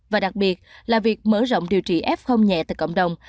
và đặc biệt là việc mở rộng điều trị f nhẹ tại cộng đồng